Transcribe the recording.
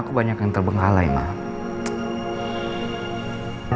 aku udah gak sabar nih pengen keluar dari rumah sakit ini